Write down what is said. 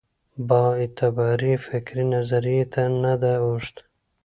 بااعتبارې فکري نظریې ته نه ده اوښتې.